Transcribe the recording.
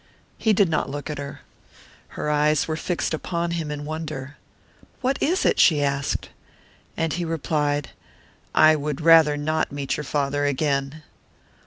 He did not look at her. Her eyes were fixed upon him in wonder. "What is it?" she asked. And he replied, "I would rather not meet your father again."